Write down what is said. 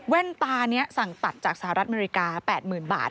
ตานี้สั่งตัดจากสหรัฐอเมริกา๘๐๐๐บาท